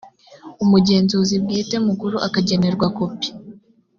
umugenzuzi bwite mukuru akagenerwa kopi